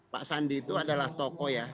pak sandi itu adalah tokoh ya